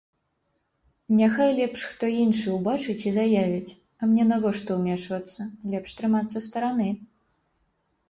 Няхай лепш хто іншы ўбачыць і заявіць, а мне навошта ўмешвацца, лепш трымацца стараны.